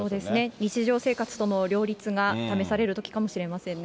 日常生活との両立が試されるときかもしれませんね。